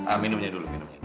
ah minumnya dulu minumnya